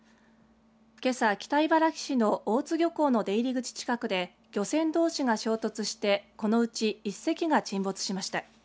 けさ、北茨城市の大津漁港の出入り口近くで漁船どうしが衝突してこのうち１隻が沈没しました。